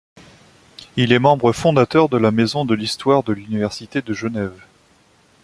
Il est membre fondateur de la Maison de l'histoire de l'Université de Genève.